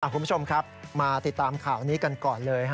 คุณผู้ชมครับมาติดตามข่าวนี้กันก่อนเลย